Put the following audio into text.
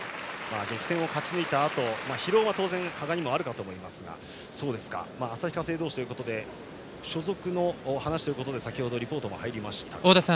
激戦を勝ち抜いたあと疲労は当然、羽賀にもあると思いますが旭化成同士ということで所属の話が先程リポートも入りました。